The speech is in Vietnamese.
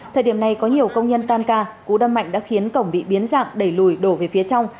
thời điểm này có nhiều công nhân tan ca cú đâm mạnh đã khiến cổng bị biến dạng đẩy lùi đổ về phía trong